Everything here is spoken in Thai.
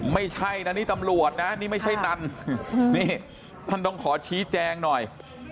ไม่ใช่นะนี่ตำรวจนะนี่ไม่ใช่นันนี่ท่านต้องขอชี้แจงหน่อย